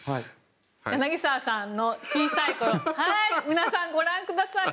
柳澤さんの小さいころ皆さんご覧ください。